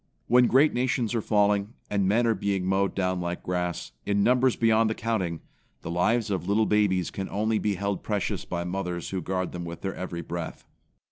When great nations are falling, and men are being mowed down like grass, in numbers beyond the counting, the lives of little babies can only be held precious by mothers who guard them with their every breath.